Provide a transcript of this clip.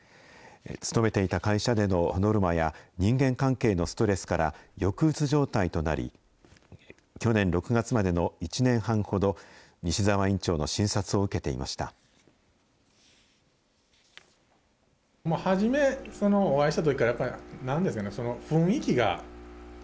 勤めていた会社でのノルマや、人間関係のストレスから抑うつ状態となり、去年６月までの１年半ほど、西澤院長の診察を受けていました。